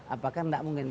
apakah enggak mungkin